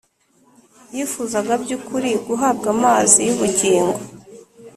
Yifuzaga by’ukuri guhabwa amazi y’ubugingo;